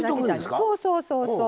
そうそうそうそう。